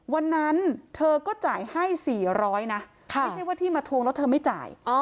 วันนั้นเธอก็จ่ายให้๔๐๐นะไม่ใช่ว่าที่มาทวงแล้วเธอไม่จ่าย